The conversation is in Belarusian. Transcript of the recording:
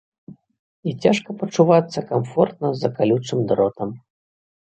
І цяжка пачувацца камфортна за калючым дротам.